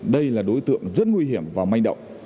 đây là đối tượng rất nguy hiểm và manh động